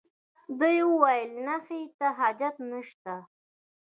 ده وویل نخښې ته حاجت نشته.